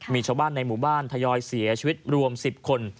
มีชาวบ้านในหมู่บ้านทยอยเสียชีวิตรวม๑๐คน